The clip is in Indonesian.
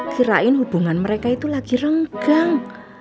kirain hubungan mereka itu lagi renggang